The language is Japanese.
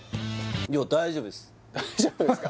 大丈夫ですか？